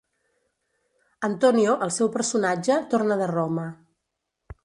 Antonio, el seu personatge, torna de Roma.